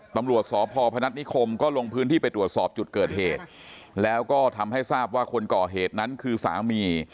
ตำรวจสพพนัฐนิคมก็ลงพื้นที่ไปตรวจสอบจุดเกิดเหตุแล้วก็ทำให้ทราบว่าคนก่อเหตุนั้นคือสามี